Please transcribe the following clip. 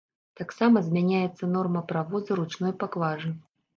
Таксама зменяцца нормы правоза ручной паклажы.